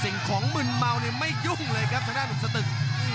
สิ่งของมึนเมาเนี่ยไม่ยุ่งเลยครับทางด้านหนุ่มสตึก